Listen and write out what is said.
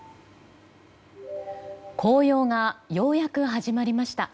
紅葉がようやく始まりました。